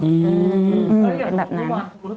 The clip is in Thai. อืออือแบบนั้น